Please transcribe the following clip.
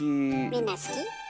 みんな好き？